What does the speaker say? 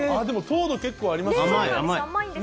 でも糖度、結構ありますね。